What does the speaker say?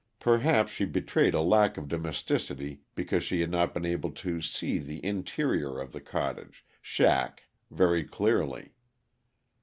Perhaps she betrayed a lack of domesticity because she had not been able to "see" the interior of the cottage "shack" very clearly.